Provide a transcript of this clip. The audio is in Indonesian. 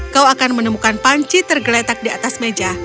kau akan menemukan panci tergeletak di atas meja